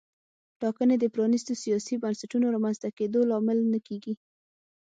ټاکنې د پرانیستو سیاسي بنسټونو رامنځته کېدو لامل نه کېږي.